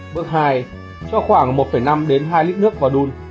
bước hai cho khoảng một năm đến hai lít nước vào đun